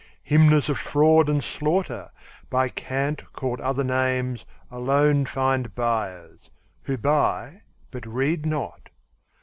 Hymners of fraud and slaughter, By cant called other names, alone find buyers Who buy, but read not.